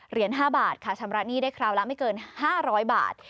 เหรียญ๕บาทค่ะชำระหนี้ได้คราวละไม่เกิน๕๐๐บาท